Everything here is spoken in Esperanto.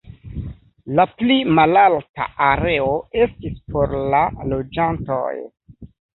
La pli malalta areo estis por la loĝantoj.